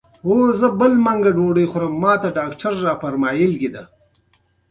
د کارابین سمندرګي اقتصادي او ستراتیژیکي ارزښت لري.